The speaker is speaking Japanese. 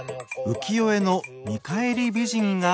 浮世絵の「見返り美人」が。